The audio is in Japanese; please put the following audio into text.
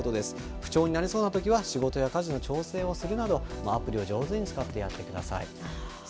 不調になりそうなときは、仕事や家事の調整をするなど、アプリを上手に使ってやってくださいと。